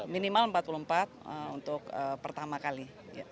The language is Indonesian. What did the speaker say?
minimal empat puluh empat untuk pertama kali